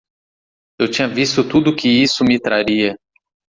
Eu tinha visto tudo o que isso me traria.